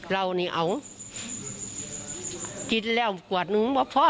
เรานี้เอากินแล้วกว่ากนิ่งมัวพ่อเล่า